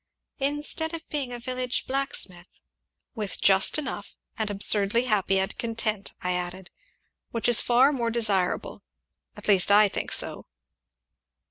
"Instead of being a village blacksmith " "With just enough, and absurdly happy and content," I added, "which is far more desirable at least I think so."